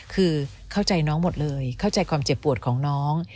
คือเข้าใจน้องหมดเลยเข้าใจความเจ็บปวดของน้อง